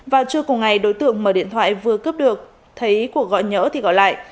vào trưa cùng ngày đối tượng mở điện thoại vừa cướp được thấy cuộc gọi nhỡ thì gọi lại